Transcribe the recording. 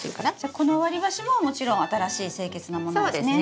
この割り箸ももちろん新しい清潔なものですね。